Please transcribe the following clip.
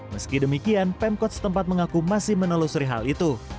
meski demikian pemkot setempat mengaku masih menelusuri hal itu